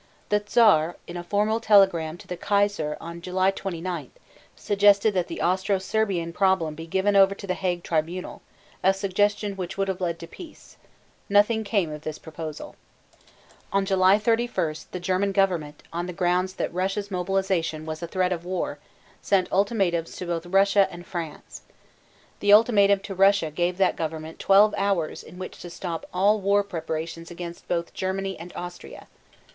The Czar in a formal telegram to the Kaiser on July 29 suggested that the Austro Serbian problem be given over to the Hague Tribunal, a suggestion which would have led to peace. Nothing came of this proposal. On July 31 the German government, on the ground that Russia's mobilization was a threat of war, sent ultimatums to both Russia and France. The ultimatum to Russia gave that government twelve hours in which to stop all war preparations against both Germany and Austria.